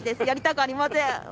やりたくありません。